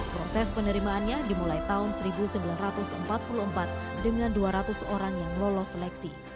proses penerimaannya dimulai tahun seribu sembilan ratus empat puluh empat dengan dua ratus orang yang lolos seleksi